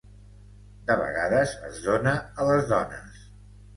De vegades, es dóna a les dones.